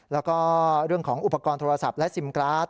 แล้วก็เรื่องของอุปกรณ์โทรศัพท์และซิมการ์ด